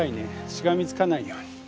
しがみつかないように。